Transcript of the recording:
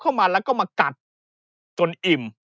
เข้ามาแล้วก็มากัดจนอิ่ม